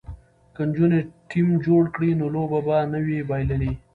که نجونې ټیم جوړ کړي نو لوبه به نه وي بایللې.